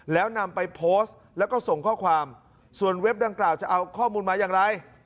แล้วนำไปโพสต์แล้วก็ส่งข้อความส่วนเว็บดังกล่าวจะเอาข้อมูลมาอย่างไร